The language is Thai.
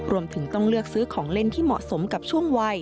รวมถึงต้องเลือกซื้อของเล่นที่เหมาะสมกับช่วงวัย